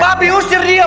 papi usir dia